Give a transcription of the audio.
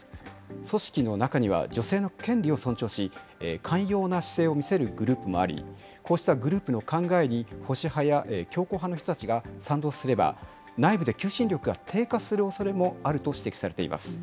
組織の中には女性の権利を尊重し、寛容な姿勢を見せるグループもあり、こうしたグループの考えに、保守派や強硬派の人たちが賛同すれば、内部で求心力が低下するおそれもあると指摘されています。